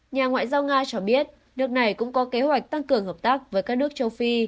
nhà ngoại giao nga cho biết nước này cũng có kế hoạch tăng cường hợp tác với các nước châu phi